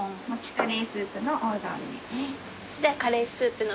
カレースープのおうどん。